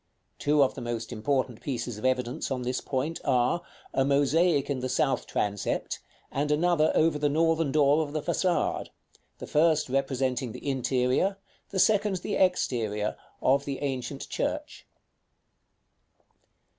Two of the most important pieces of evidence on this point are, a mosaic in the south transept, and another over the northern door of the façade; the first representing the interior, the second the exterior, of the ancient church.